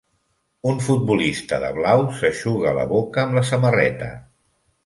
Un futbolista de blau s'eixuga la boca amb la samarreta.